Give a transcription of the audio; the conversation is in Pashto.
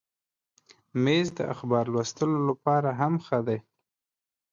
مېز د اخبار لوستلو لپاره هم ښه دی.